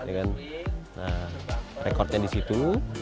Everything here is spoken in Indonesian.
nah rekodnya di situ